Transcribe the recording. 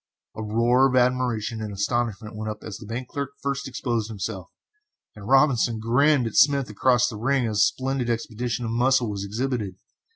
A roar of admiration and astonishment went up as the bank clerk first exposed himself, and Robinson grinned at Smith across the ring as the splendid exhibition of muscle was exhibited.